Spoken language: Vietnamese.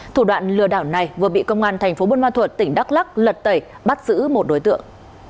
thủ đoạn lừa đảo này vừa bị công an tp bunma thuật tỉnh đắk lắc lật tẩy bắt giữ một đối tượng